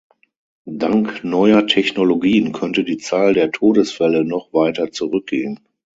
Dank neuer Technologien könnte die Zahl der Todesfälle noch weiter zurückgehen.